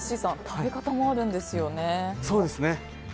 食べ方があるんですよね。